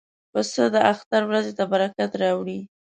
پسه د اختر ورځې ته برکت راوړي.